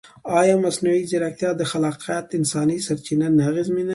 ایا مصنوعي ځیرکتیا د خلاقیت انساني سرچینه نه اغېزمنوي؟